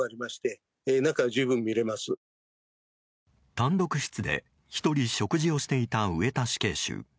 単独室で１人食事をしていた上田死刑囚。